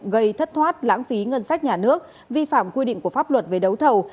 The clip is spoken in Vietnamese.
gây thất thoát lãng phí ngân sách nhà nước vi phạm quy định của pháp luật về đấu thầu